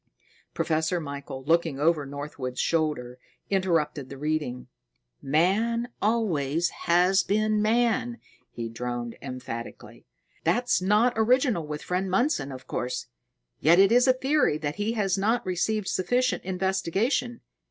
Professor Michael, looking over Northwood's shoulder, interrupted the reading: "Man always has been man," he droned emphatically. "That's not original with friend Mundson, of course; yet it is a theory that has not received sufficient investigation."